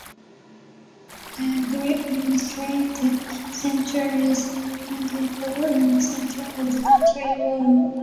The administrative centre is Pontypool in the centre of the county borough.